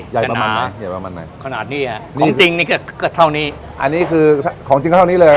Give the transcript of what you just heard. เห็นประมาณไหนขนาดนี้อ่ะของจริงนี่ก็ก็เท่านี้อันนี้คือของจริงก็เท่านี้เลย